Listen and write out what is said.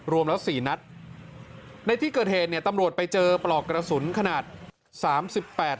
รวมแล้วสี่นัดในที่เกิดเหตุเนี่ยตำรวจไปเจอปลอกกระสุนขนาดสามสิบแปด